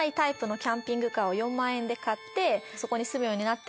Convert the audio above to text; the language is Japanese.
そこに住むようになって。